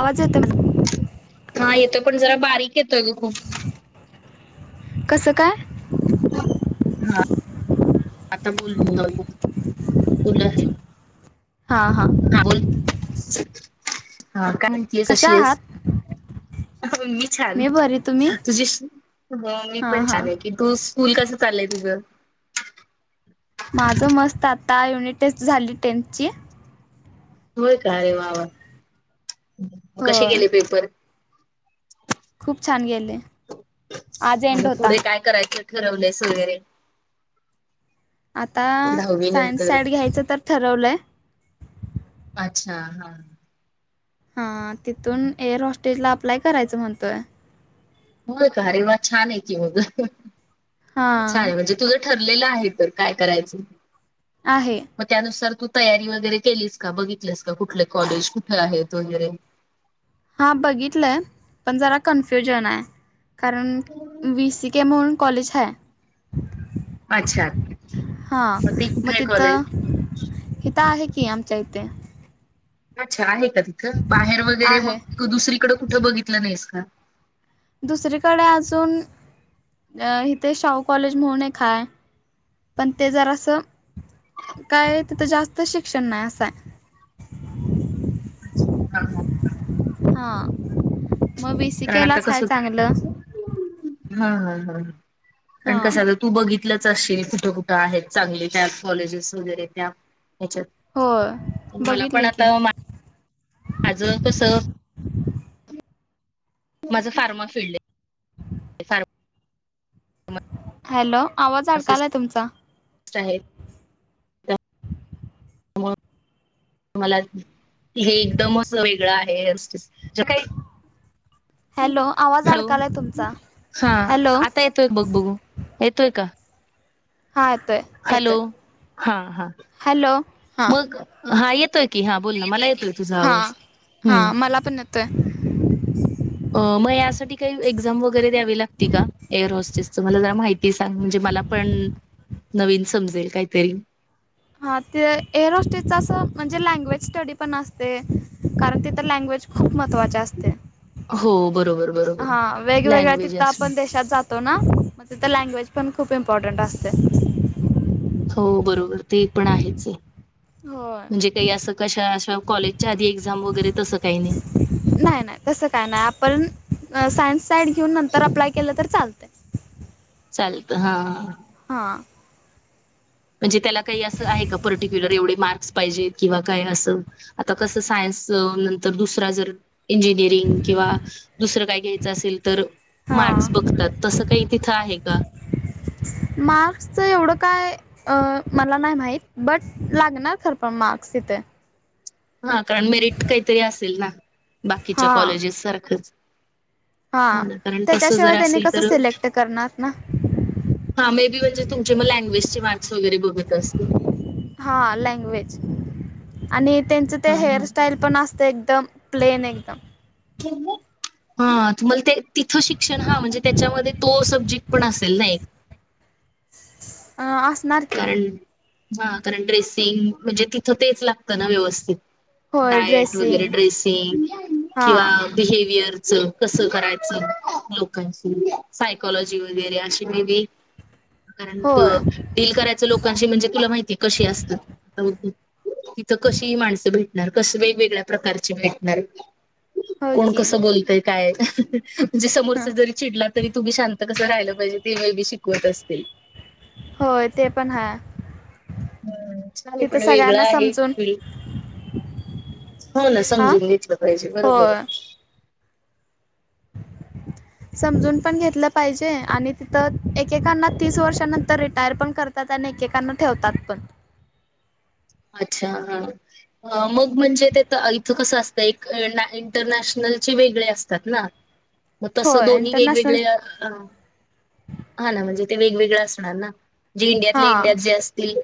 आवाज येतो मला हा येतोय पण जरा बारीक येतोय ग खूप. कसं काय? हा आता बोल कुल आहे. हा बोल. हा काय म्हणतीयेस कशा कशी येस. आहात मी छान बरी तुम्ही तुझी मी हां पण हां छान आहे की तू स्कूल कसं चालेय तुझं. का युनिट टेस्ट झाली टेन्थची होय काय अरे वा वा म हो कसे गेले पेपर. खूप छान गेले. आज म एंड पुढे होता काय करायचं ठरवलेस वगैरे आता दहावी सायन्स नंतर? साईड घ्यायचं तर ठरवलंय. हा हा. हा तिथून एअर हॉस्टेलला अप्लाय करायचं म्हणतोय. हो का अरे वा छान आहे की मग छान हां आहे म्हणजे तुझं ठरलेल आहे तर काय करायच आहे मग त्यानुस त तयारी वगैरे केलीस का बघितलीस का कुठले कॉलेज कुठे आहेत वगैरे हा बघितलंय पण जरा कन्फ्युजन आहे. कारण वी सी के म्हणून कॉलेज हाय. अच्छा हा ते कुठे मग आहे कॉलेज? तिथं इथं आहे की की आमच्या ईथे. अच्छा आहे का तिथं बाहेर वगैरे आहे मग दुसरीकडे कुठं बघितलं नाहीस का दुसरीकडे अजून इथे शाहू कॉलेज म्हणून एक हाय पण ते जरा असं. काय तिथ जास्त शिक्षण नाही असंय अच्छा, हा हा. हा मग बीसी कारण आता केेलाच ह कसं चांगलं. हा हा हा कारण हां कसं आता तू बघित बघीतलच असशील कुठ कुठ आहेत चांगले त्या कॉलेजेस वगैरे त्या हेच्या होय मला पण बघितलं आता की आजं कस. माझं फार्मा फीलड आहे फारमा हॅलो आवाज अडकाला आहे तुमचा साहेब. हम मला हे एकदमच वेगळं आहेट काही हॅलो आवाज हॅलो अडकालाय तुमचा हा हॅलो आता येतो एक बघ बघू. येतोय का. हां येतोय हॅलो येतोय हा हा हॅलो हां मग हा येतोय. कि हा बोल ना मला येतोय तुझा आवाज हम्म ते मग यासाठी काही एक्झाम वगैरे द्यावी लागते का एअर हॉस्टेस मला जरा माहिती सांग म्हणजे मला पण नवीन समजेल काहीतरी. हा ते एअर होस्टेस च असं म्हणजे लँग्विज स्टडी पण असते कारण तिथ लँग्विज खूप महत्त्वाचे असते हो बरोबर बरोबर हा वेगवेगळ्या लँग्वेज तिथ असणं आपण देशात जातो. ना मग तिथ लँग्वेज पण खूप इम्पॉर्टंट असते. हो बरोबर ते पण आहेच आहे. होय म्हणजे काही असं कशा-कशा कॉलेजच्या आधी एक्झाम वगैरे तसं काही नाही. नाही नाही तसं काय नाही आपण सायन्स साईड घेऊन नंतर अप्लाय केलं तर चालतंय. चालत हा. हा. म्हणजे त्याला काही अस आहे का पर्टिक्युलर एवढे मार्क्स पाहिजेत किंवा काय अस आता कस सायन न्स नंतर दुसरा जर इंजिनिअरिंग किंवा दुसरं काय घ्यायचं असेल तर. मार्क्स हां बघतात तसं काही तिथं आहे का. मार्क्सचं एवढं काय अं.. मला नाही माहीत बट लागणार खरं पण मार्क्स तिथे हा कारण मेरिट काहीतरी असेल ना बाकीच्या हां कॉलेजेस सारखंच. हां हो कारण तस जर त्याच्याशिवाय त्यांनी असेल कसं तर सिलेक्ट करणार ना हा मे बी म्हणजे तुमचे मग लैंग्वेज ची माणसं वगैरे असतील हा लँग्वेज आणि त्यांचं ते हा हा हेअरस्टाईल पण असते एकदम प्लेन एकदम. हा तुम्हाला ते-तिथ शिक्षण हा म्हणजे त्याच्यामध्ये तो सब्जेक्ट पण असेल ना असणार की. कारण हा कारण ड्रेसिंग म्हणजे तिथं तेच लागतं ना व्यवस्थित होय डायट वगैरे ड्रेसिंग ड्रेसिंग किंवा हा बिहेव्यर च कस करायचं लोकांची सायकॉलॉजी वगैरे अशी मे बी कारण होय डील करायचं लोकांशी म्हणजे तुला माहितीय कशी असत तिथं कशी ह माणसं भेटणार कशी वेगवेगळ्या प्रकारची भेटणार होय कोण की कसं बोलतय काय म्हणजे ह समोरच जरी चिडला तरी तुम्ही शांत कसं राहिलं पाहिजे ते मे बी शिकवत असतील होय ते पण ह हम्म चालेल पण वेगळं आहे समजून फील्ड हो ना हा समजून घेतलं पाहिजे बरोबर होय आहे समजून पण घेतलं पाहिजे आणि तिथं एकेकांना तीस वर्षानंतर रिटायर पण करतात आणि एकेकांना ठेवतात पण अच्छा मग म्हणजे ते-तित [unintelligible] कसं असतंर एक इंटरनॅशनल वेगळे असतात ना मग तस होय दोन्ही इंटरनॅशनल वेगवेगळे हा ना म्हणजे ते वेगवेगळं असणार ना जे इंडियातले हां इंडियात जे असतील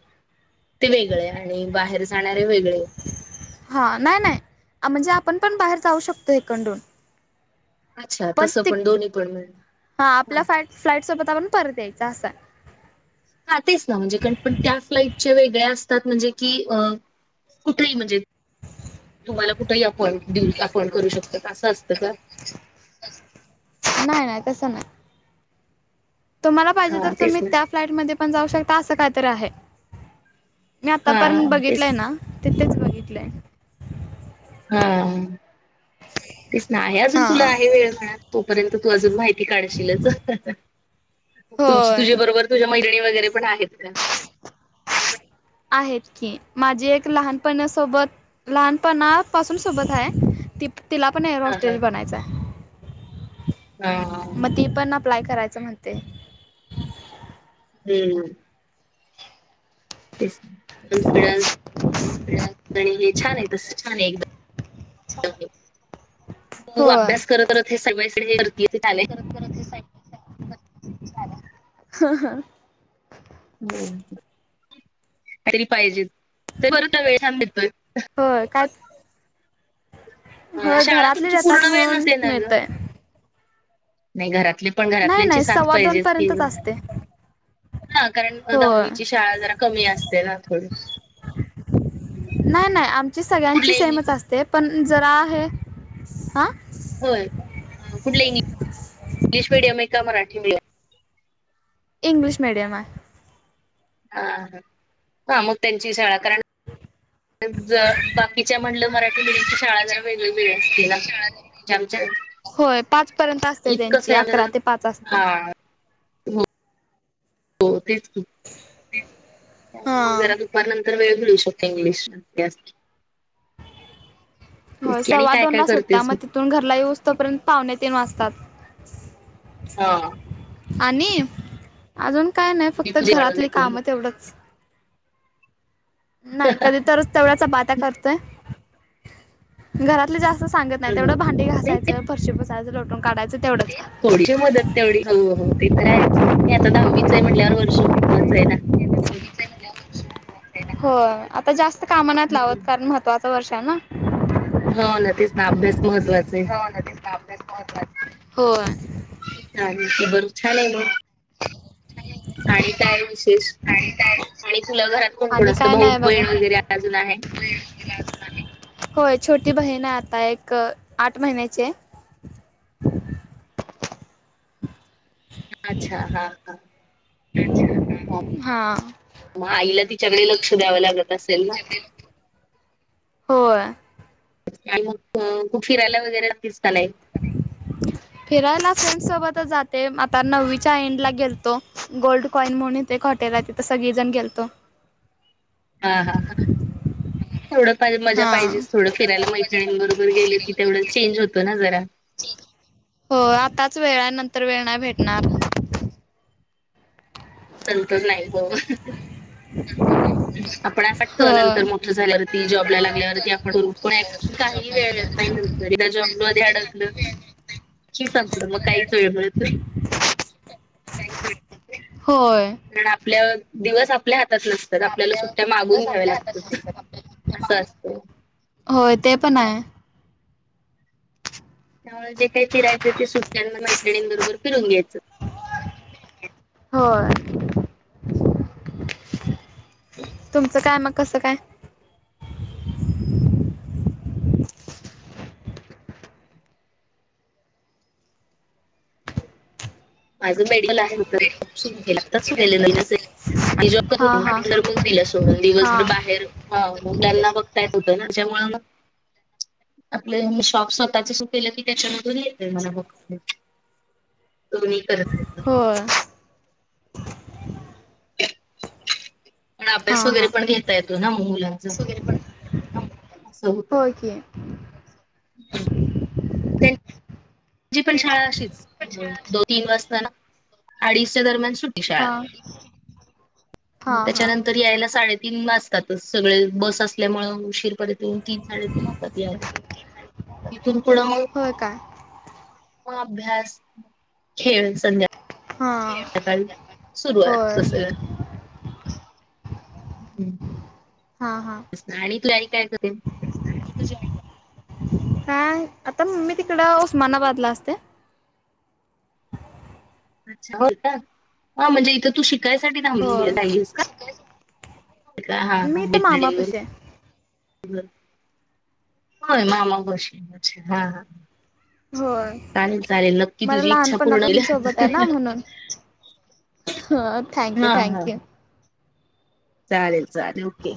ते वेगळे आणि बाहेर जाणारे वेगळे हां नाही नाही म्हणजे आपण पण बाहेर जाऊ शकतो एकंडून अच्छा पण तसं त दोन्ही पण मिळून हा आपल्या फ् फ्लाईट सोबत आपण परत यायच असं आहे हा तेच ना म्हणजेण पण त्या फ्लाईट वेगळे असतात म्हणजे की अ कुठेही म्हणजे तुम्हाला कुठेही आपऊ आप करू शकतो का असं असतं का नाही नाही तसं नाही तुम्हाला पाहिजे हा तर तेच तुम्ही ना त्या फ्लाईट मध्ये पण जाऊ शकता असं कायतरी आहे मी आतापर्यंत हा तेच बघितलंय ना तिथेच बघितलंय हा तेच ना आहे अजून तुला हा. आहे वेळ मिळा तोपर्यंत तू अजून माहिती काढशीलच तुम होय तुझ्या बरोबर तुझ्या मैत्रिणी वगैरे पण आहेत का आहेत की माझी एक लहानपणासोबत लहानपणापासून सोबत आहे ती तिला पण हा हा हॉस्टेल बनायचंय हा पण अप्लाय करायचं म्हणते हम्म यययभथक्षज आणि हे छान आहे तस छान आहे एकदम त होय अभ्यास करत हे सगळ्या गर्दी झाले हा हा हो तरी पाहिजे वेळत होय काय होय घरातले पूर्ण येतात वेळ म्हणून नसते ना ग मिळतय नाही घरातले पण नाही घरातल्यांची नाही साथ सव्वा दोन पाहिजेच की पर्यंतच असते हा कारण होय. दहावीची शाळा जरा कमी असते ना थोडी मग नाही नाही आमची तू सगळ्यांची कुठले इंग्लिश सेमच असते पण जरा आहे हां हो गुडि इंग्लिश मीडियम आहे का मराठी मीडियम इंग्लिश मीडिमात हा ह हा मग त्यांची शाळा कार बाकीच्या म्हलं मराठी मुची शाळा जरा वेगळी वेळ असते ना जमच्या होय पाच पर्यंत असते त्यांची अकरा ते पाच असते हा हो हो तेच हा. घरात उपारल्यांतर वेळ घळू शकते इंग्लिश हो की. आणि सव्वा काय दोन काय वाास होटत्या करतेस मग तिथून घरला येऊस तोपर्यंत पाहणे तीन वाजता सात हा आणि अजून काय नाही फक्त घरातले काम तेवढंच नाही कधी तरच तेवढ्याच बाटा करतोय घरातले जास्त सांगत नाही तेवढं भांडी घायं फर्शीी बसायचं लटून काढयचं थोडीशी मदत तेवढी हो हो ते तर राहायचंय मी आता दहावी म्हणल्यावर वर्ष महत्वाचं आहे ना हो आता जास्त कामानात लावत कारण महत्त्वाचं वर्ष आहे ना हो न तेच ना अभ्यास महत्त्वाचा आहे होय. चाले बर छान नाही म आणि काय विशेष आणि तुला घरात कोण कोण आणि असतं काय भाऊ नाही बघा. बहीण वगैरे अजून आहे होय छोटी बहीण आहे आता एक आठ महिन्याचे अच्छा हा हा हा मग आईला तिच्याकडे लक्ष द्यावं लागत असेल ना होय खूप फिरायला वगैरे दिसतलय फ्रें सोबतच जाते आता नववीच्या एंड ला गेलतो गोल्ड कॉईन म्हणूने खॉटेला रिझन गेलतो हा हा ह तेवडं मजा हा. पाहिजे थोडं फिरायला मैत्रणींबरोबर गेलो त तेवढं चेंज होतो ना जरा ज्ञररभृल हो आताच वेळ नंतर वेळ नाही भेटणार बलतच नाही ब आपण अस वागत नंतर होय. मोठ झाल्यावरती जॉबला लागल्यावरती आप. काही वेळ येत नाही नंतरदा एकदा जॉबमध्ये अडकल कि संपलं मग काहीच वेळ ममीळत न्हाय. होय कारण आपल्या दिवस आपल्या हात तात नतात आपल्याला सुट्ट्या मागून घ्याव्या लागतात असं असत. होय ते पण आहे. त्यामुळे जे काही फिरायचं ते सुट्ट्यांना मैत्रिणींबरोबर फिरून घ्यायचं. होय. तुमचं काय मग कसं काय? माझं मेडिकल आहे हित सुरूकेल आताच सुरु केल. ती जॉब करत हा हा होतीर मग दिला सोडून हा. दिवसभर बाहेर मुलांना बघता येत होतं ना त्यामुळ म. आपलं शॉप स्वतःच सुकलं की त्याच्यामधून येतय मला बघत. तो्ही करता येत. होय. पण हा अभ्यास वगैरे हा पण घेता येतो ना मग मुलांच अस होत. होय की ह. जी पण शाळा अशीच दोन तीन वाजता ना अडीचच्या दरम्यान सूटते हा शाळा, हा मग हा त्याच्यानंतर याला साडे तन वाजतात सगळे बस असल्यामुळे उशीर, परतन तीन साडे तन होतात याला. तिथून पुढं हाय होय काय. अभ्यास खेळ सन हा. ध्यकाळी सुरू आहे होय तस. हम्. हा हा आणि तू आई काय करते. हां आता मम्मी तिकड उस्मानाबादलात असते. अच्छा हो ना हा म्हणजे इथं तू शिकायसाठी थांबलेली होय. राहायलीस का. का हा का मी तर मैत्रीनीन मामापशी आहे. बरोबर. होय मामा पशी पशी हा हा. होय चालेल चालेल नक्की मला तुझी इच्छा पूर्ण होईल. लहानपणापासून सोबत आहे ना म्हणून हा थँक य्यू हा हा थँक्यू. चालेल चालेल ओके.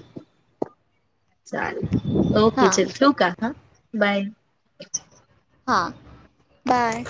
चाले ओके हां चल ठेउ का ह बाय. हा बाय.